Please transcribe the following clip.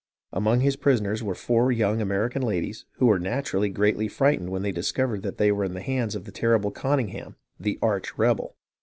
Among his pris oners were four young American ladies who were naturally greatly frightened when they discovered that they were in the hands of the terrible Conyngham, "the Arch Rebel."